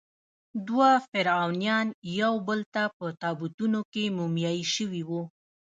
دوه فرعونیان یوبل ته په تابوتونو کې مومیایي شوي وو.